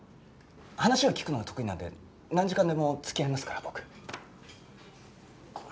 話を聞くのは得意なんで何時間でも付き合いますから僕。